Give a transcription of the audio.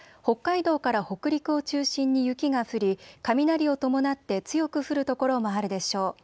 北海道から北陸を中心に雪が降り雷を伴って強く降る所もあるでしょう。